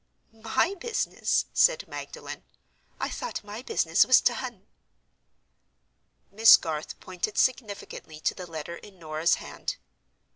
"My business!" said Magdalen. "I thought my business was done." Miss Garth pointed significantly to the letter in Norah's hand.